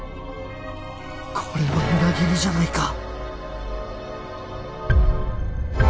これは裏切りじゃないか